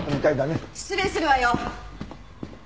失礼するわよ。